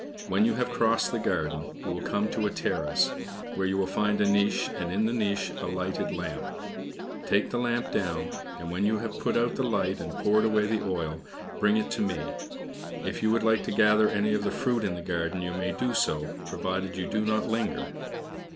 When you have crossed the garden, you will come to a terrace, where you will find a niche, and in the niche a lighted lamp. Take the lamp down, and when you have put out the light and poured away the oil, bring it to me. If you would like to gather any of the fruit of the garden you may do so, provided you do not linger."